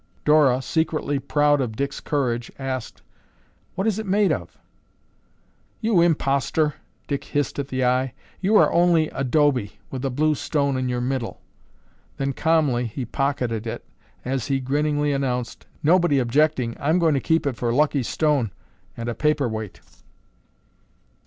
Dora, secretly proud of Dick's courage, asked, "What is it made of?" "You impostor!" Dick hissed at the Eye. "You are only adobe with a blue stone in your middle." Then calmly he pocketed it as he grinningly announced, "Nobody objecting, I'm going to keep it for Lucky Stone and a paper weight."